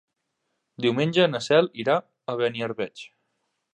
Diumenge na Cel irà a Beniarbeig.